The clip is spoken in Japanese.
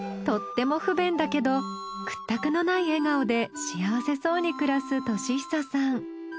とっても不便だけど屈託のない笑顔で幸せそうに暮らす敏久さん。